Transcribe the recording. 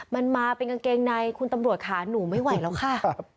มันมาเป็นกางเกงในคุณตำรวจขาหนูไม่ไหวแล้วค่ะ